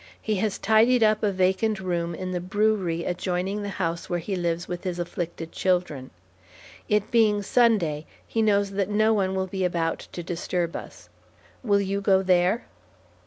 He has tidied up a vacant room in the brewery adjoining the house where he lives with his afflicted children. It being Sunday, he knows that no one will be about to disturb us. Will you go there?"